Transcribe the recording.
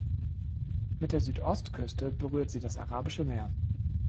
Mit der Südostküste berührt sie das Arabische Meer.